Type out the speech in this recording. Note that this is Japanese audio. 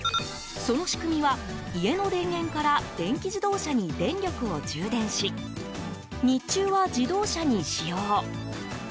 その仕組みは家の電源から電気自動車に電力を充電し日中は自動車に使用。